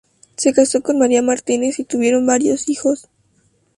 Se casó con María Martínez y tuvieron varios hijos.